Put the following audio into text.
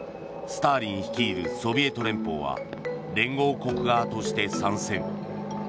スターリン率いるソビエト連邦は連合国側として参戦。